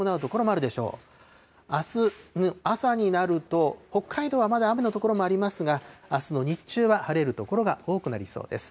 あす朝になると、北海道はまだ雨の所もありますが、あすの日中は晴れる所が多くなりそうです。